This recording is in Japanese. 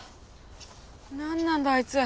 何なんだあいつ？